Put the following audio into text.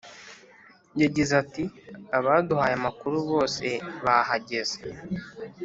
yagize ati “abaduhaye amakuru bose bahageze